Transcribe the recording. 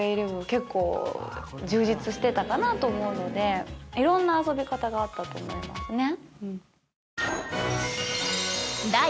結構、充実してたかなと思うのでいろんな遊び方があったと思いますね。